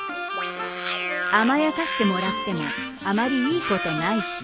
甘やかしてもらってもあまりいいことないし。